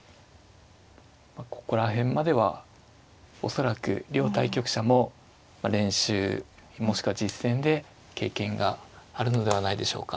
ここら辺までは恐らく両対局者も練習もしくは実戦で経験があるのではないでしょうか。